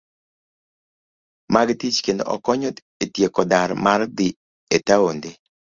Mag tich kendo okonyo e tieko dar mar dhi e taonde